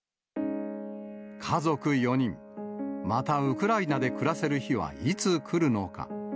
家族４人、またウクライナで暮らせる日はいつ来るのか。